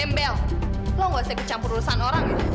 enggak kamu gak mau ikut cepetan kak